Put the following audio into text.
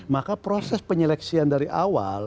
maka proses penyeleksian dari awal